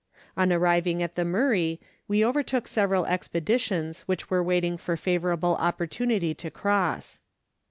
On arriving at the Murray, we overtook several expeditions which were waiting for a favourable opportunity to cross.